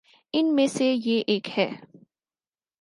ان میں سے یہ ایک ہے۔